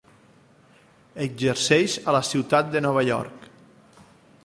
Exerceix a la ciutat de Nova York.